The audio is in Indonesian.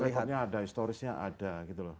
track recordnya ada historisnya ada gitu loh